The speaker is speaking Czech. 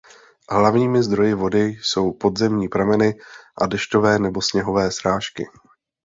Hlavními zdroji vody jsou podzemní prameny a dešťové nebo sněhové srážky.